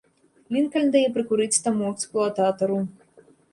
Лінкальн дае прыкурыць таму эксплуататару.